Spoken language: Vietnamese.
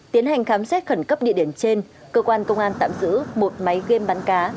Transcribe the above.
tiến hành khám xét khẩn cấp địa điểm trên cơ quan công an tạm giữ một máy game bắn cá